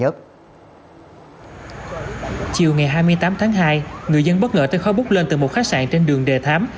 chiều ngày hai mươi tám tháng hai người dân bất ngờ tới khói bút lên từ một khách sạn trên đường đề thám